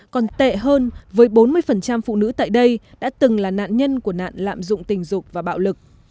còn tệ hơn với bốn mươi phụ nữ tại đây đã từng là nạn nhân của nạn lạm dụng tình dục và bạo lực